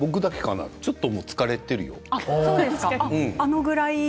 もう、ちょっと疲れているよ。